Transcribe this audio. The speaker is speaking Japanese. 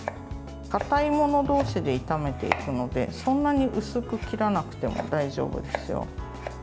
かたいもの同士で炒めていくのでそんなに薄く切らなくても大丈夫ですよ。